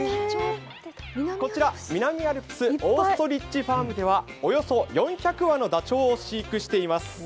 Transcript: こちら南アルプスオーストリッチファームではおよそ４００羽のダチョウを飼育しています。